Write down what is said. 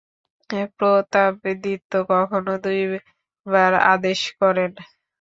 প্রতাপাদিত্য কখনও দুইবার আদেশ করেন?